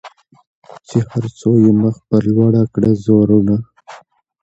چي هر څو یې مخ پر لوړه کړه زورونه